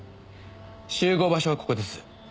集合場所はここです。